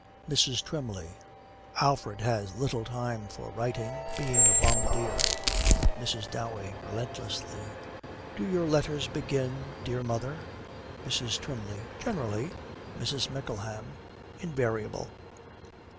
MRS. TWYMLEY. 'Alfred has little time for writing, being a bombardier.' MRS. DOWEY, relentlessly, 'Do your letters begin "Dear mother"?' MRS. TWYMLEY. 'Generally.' MRS. MICKLEHAM. 'Invariable.'